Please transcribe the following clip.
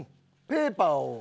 ペーパーを。